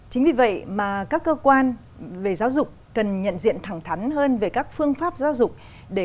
chính vì vậy mà các cơ quan về giáo dục cần nhận diện thẳng thắn hơn về các phương pháp giáo dục